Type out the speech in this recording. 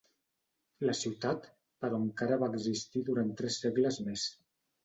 La ciutat però encara va existir durant tres segles més.